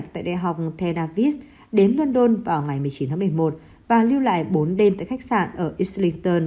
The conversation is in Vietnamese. trường nghệ học tenerife đến london vào ngày một mươi chín một mươi một và lưu lại bốn đêm tại khách sạn ở islington